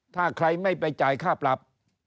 ถ้าใครไม่ไปจ่ายค่าปรับ